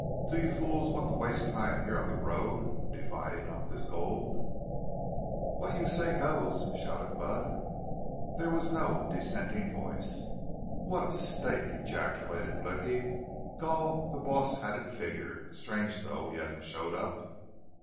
"Do you fools want to waste time here on the road, dividing up this gold?" "What you say goes," shouted Budd. There was no dissenting voice. "What a stake!" ejaculated Blicky. "Gul, the boss had it figgered. Strange, though, he hasn't showed up!"